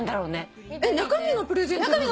中身がプレゼントなの？